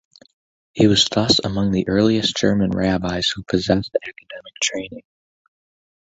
He was thus among the earliest German rabbis who possessed academic training.